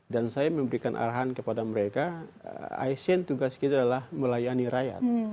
dan saya memberikan arahan kepada mereka asn tugas kita adalah melayani rakyat